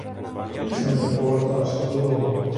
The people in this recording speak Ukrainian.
Пізно я повертався додому.